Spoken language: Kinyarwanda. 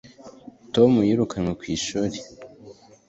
tom yirukanwe ku ishuri